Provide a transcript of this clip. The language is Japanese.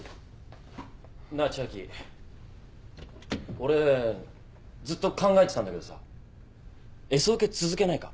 俺ずっと考えてたんだけどさＳオケ続けないか？